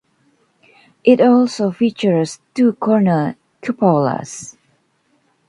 It also features two corner cupolas.